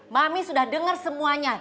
mami sudah dengar semuanya